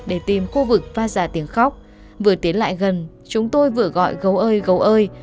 để tìm khu vực pha giả tiếng khóc vừa tiến lại gần chúng tôi vừa gọi gấu ơi gấu ơi